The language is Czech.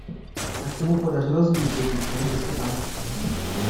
Tak se mu podařilo zničit více než deset tanků.